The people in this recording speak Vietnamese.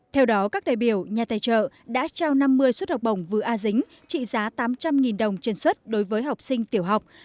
theo đó các đại biểu nhà tài trợ đã trao năm mươi suất học bổng vừa a dính trị giá tám trăm linh đồng trên suất đối với học sinh tiểu học